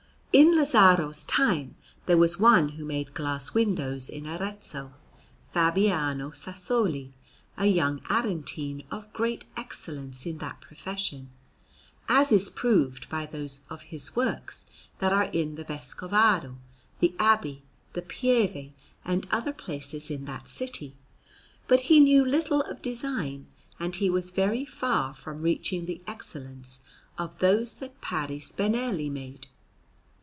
In Lazzaro's time there was one who made glass windows in Arezzo, Fabiano Sassoli, a young Aretine of great excellence in that profession, as is proved by those of his works that are in the Vescovado, the Abbey, the Pieve, and other places in that city; but he knew little of design, and he was very far from reaching the excellence of those that Parri Spinelli made.